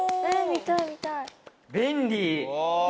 便利！